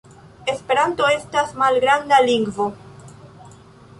Esperanto estas malgranda lingvo.